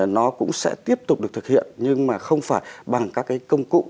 nó cũng sẽ tiếp tục được thực hiện nhưng mà không phải bằng các cái công cụ